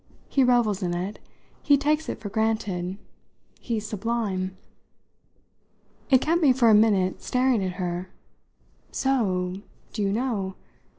He revels in it. He takes it for granted. He's sublime." It kept me for a minute staring at her. "So do you know?